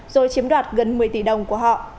rồi chiếm đoạt gần một mươi tỷ đồng của họ